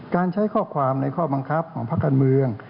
การใช้ข้อความในข้อบังคับของผ้ากรรมน์